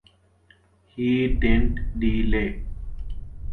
He didn’t delay.